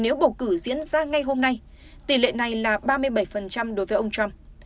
nếu bầu cử diễn ra ngay hôm nay tỷ lệ này là ba mươi bảy đối với ông trump